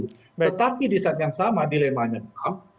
tetapi di saat yang sama dilemanya petan jam